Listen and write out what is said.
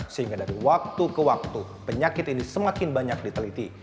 sehingga dari waktu ke waktu penyakit ini semakin banyak diteliti